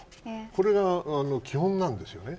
それが基本なんです。